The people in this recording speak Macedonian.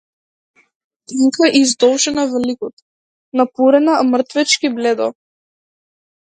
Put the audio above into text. Тенка и издолжена во ликот, напудрена мртовечки бледо.